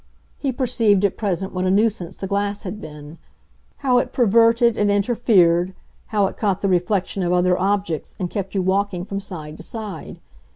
He perceived at present what a nuisance the glass had been—how it perverted and interfered, how it caught the reflection of other objects and kept you walking from side to side.